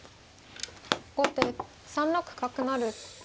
後手３六角成。